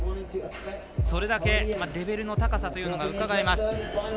それだけ、レベルの高さというのがうかがえます。